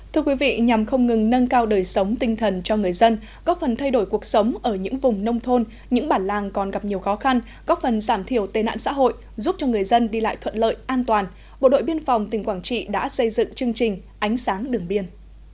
thưa quý vị nhằm không ngừng nâng cao đời sống tinh thần cho người dân góp phần thay đổi cuộc sống ở những vùng nông thôn những bản làng còn gặp nhiều khó khăn góp phần giảm thiểu tên ạn xã hội giúp cho người dân đi lại thuận lợi an toàn bộ đội biên phòng tỉnh quảng trị đã xây dựng chương trình ánh sáng đường biên